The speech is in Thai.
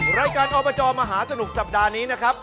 รายการอบจมหาสนุกสัปดาห์นี้นะครับ